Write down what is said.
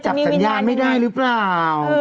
จับสัญญาณไม่ได้หรือเปล่า